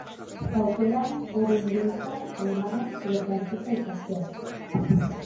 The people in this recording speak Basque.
Aukeran, hobe ingelesa, alemana edo frantsesa ikastea.